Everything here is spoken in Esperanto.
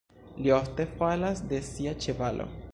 Li ofte falas de sia ĉevalo.